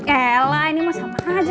elah ini mah sama aja